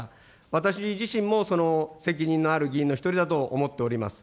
私自身もその責任のある議員の一人だと思っております。